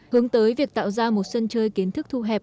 hướng tới việc tạo ra một sân chơi kiến thức thu hẹp